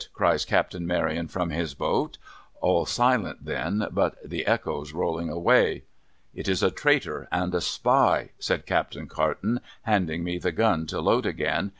' cries Captain Maryon from his boat. All silent then, but the echoes rolling away. ' It is a Traitor and a Spy,' said Captain Carton, handing me the gun to load again.